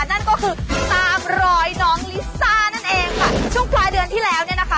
แบบนั้นเองค่ะช่วงฝ่ายเดือนที่แล้วนี่นะคะ